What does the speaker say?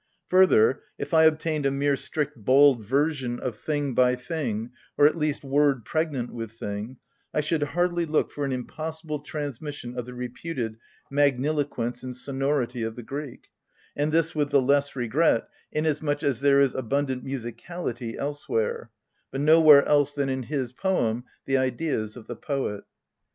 Fur ther, — if I obtained a mere strict bald version of thing by thing, or at least word pregnant with thing, I should hardly look for an impossible transmission of the reputed magniloquence and sonority of the Greek ; and this with the less regret, inasmuch as there is abundant musicality elsewhere, but nowhere else than in his poem the ideas of the poet.